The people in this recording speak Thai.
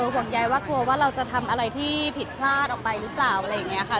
ห่วงใยว่าเราจะทำอะไรที่ผิดพลาดออกไปหรือเปล่า